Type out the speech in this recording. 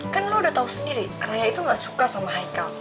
kan lo udah tau sendiri raya itu gak suka sama haikal